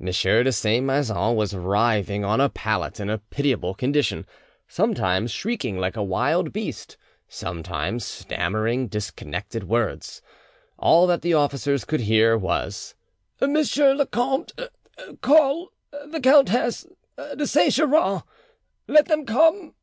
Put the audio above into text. M. de Saint Maixent was writhing on a pallet, in a pitiable condition, sometimes shrieking like a wild beast, sometimes stammering disconnected words. All that the officers could hear was— "Monsieur le Comte ... call ... the Countess ... de Saint Geran ... let them come.